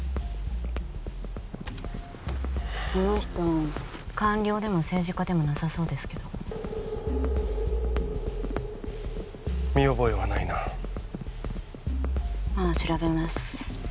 その人官僚でも政治家でもなさそうですけど見覚えはないなまっ調べます